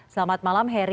selamat malam heri